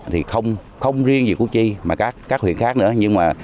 thì không riêng về cụ chi mà các huyện khác nữa